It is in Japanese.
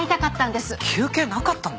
休憩なかったの？